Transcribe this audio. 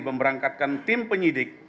memberangkatkan tim penyidik